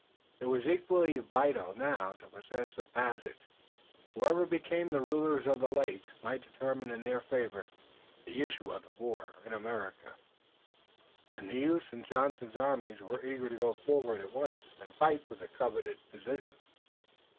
It was equally vital now to possess this passage. Whoever became the rulers of the lakes might determine in their favor the issue of the war in America, and the youths in Johnson's army were eager to go forward at once and fight for the coveted positions.